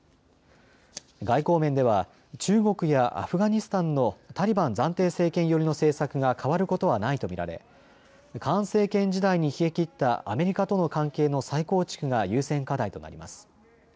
外交面では中国やアフガニスタンのタリバン暫定政権寄りの政策が変わることはないと見られ、カーン政権時代に冷え切ったアメリカとの関係の再構築が優先課題となります。